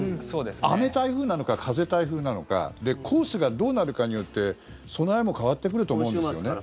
雨台風なのか風台風なのかコースがどうなるかによって備えも変わってくると思うんですよね。